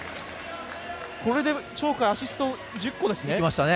これで鳥海アシスト１０個ですね。